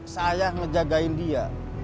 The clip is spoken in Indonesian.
saya ngejagain dia